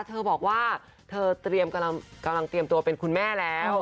เธอบอกว่าเธอเตรียมกำลังเตรียมตัวเป็นคุณแม่แล้ว